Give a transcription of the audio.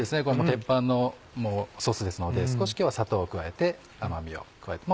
鉄板のソースですので少し今日は砂糖を加えて甘みを加えて。